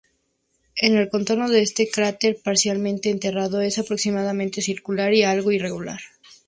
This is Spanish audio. El contorno de este cráter, parcialmente enterrado, es aproximadamente circular y algo irregular.